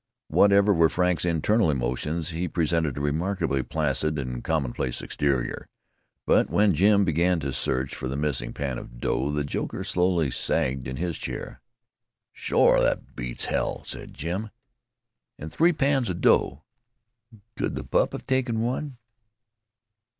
Whatever were Frank's internal emotions, he presented a remarkably placid and commonplace exterior; but when Jim began to search for the missing pan of dough, the joker slowly sagged in his chair. "Shore that beats hell!" said Jim. "I had three pans of dough. Could the pup have taken one?"